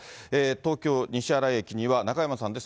東京・西新井駅には中山さんです。